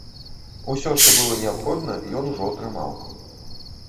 Усё, што было неабходна, ён ужо атрымаў.